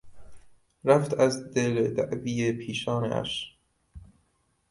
رفت از دل دعوی پیشانهاش